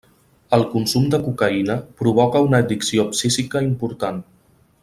El consum de cocaïna provoca una addicció psíquica important.